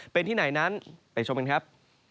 เป็นที่ไหนนั้นไปชมกันครับ